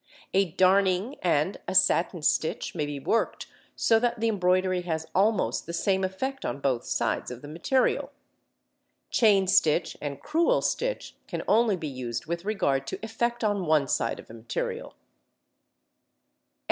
A darning and a satin stitch may be worked so that the embroidery has almost the same effect on both sides of the material. Chain stitch and crewel stitch can only be used with regard to effect on one side of a material.